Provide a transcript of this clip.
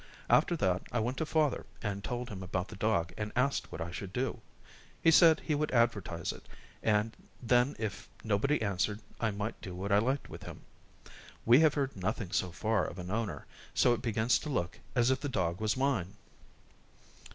After that, I went to father and told him about the dog and asked what I should do. He said he would advertise it, and then if nobody answered, I might do what I liked with him. We have heard nothing so far of an owner, so it begins to look as if the dog was mine."